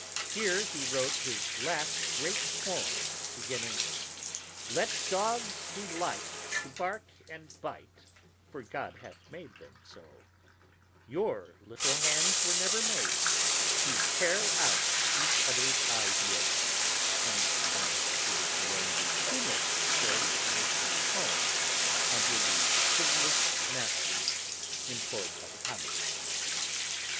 Here he wrote his last great poem, beginning: "Let dogs delight to bark and bite, For God hath made them so Your little hands were never made To tear out each other's eyes with " and then proceeded to learn the shoemaker's trade in his new home, under the distinguished masters employed by the commonwealth.